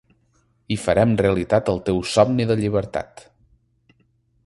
I farem realitat el teu somni de llibertat.